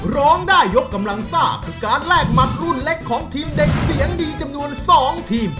ร้องได้ยกกำลังซ่าคือการแลกหมัดรุ่นเล็กของทีมเด็กเสียงดีจำนวน๒ทีม